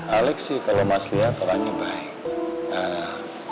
alex sih kalo mas liat orangnya baik